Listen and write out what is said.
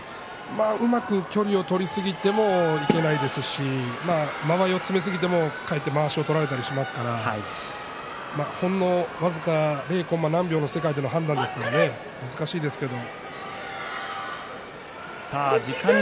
うまく距離を取りすぎてもいけないですし間合いを詰めすぎてもまわしを取られたりしますからほんの僅か０コンマ何秒の世界での判断ですから難しいですけど。